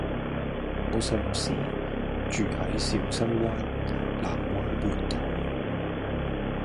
我上司住喺小西灣藍灣半島